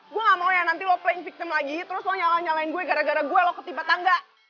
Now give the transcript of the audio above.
gue gak mau ya nanti lo play victim lagi terus lo nyala nyalain gue gara gara gue lo ketimpa tangga